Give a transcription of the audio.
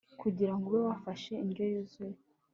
kugira ngo ube wafashe indyo yuzuye